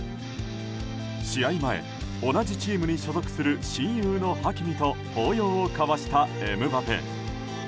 試合前、同じチームに所属する親友のハキミと抱擁を交わしたエムバペ。